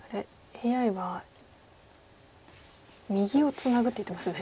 ＡＩは右をツナぐって言ってますね。